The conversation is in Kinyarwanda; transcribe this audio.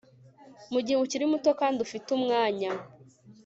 mugihe ukiri muto kandi ufite umwanya